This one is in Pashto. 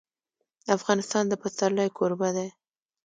افغانستان د پسرلی کوربه دی.